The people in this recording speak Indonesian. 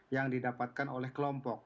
yang didapatkan oleh kelompok